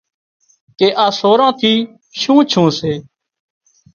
ڪي آ سوران ٿي شُون ڇُون سي